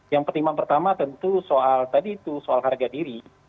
yang pertimbangan pertama tentu soal tadi itu soal harga diri